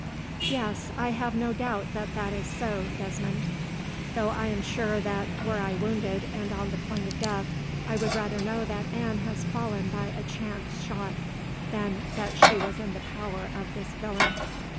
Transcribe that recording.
"Yes, I have no doubt that that is so, Desmond, though I am sure that, were I wounded and on the point of death, I would rather know that Anne had fallen by a chance shot, than that she was in the power of this villain."